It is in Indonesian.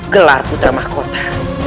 gelar putra mahkota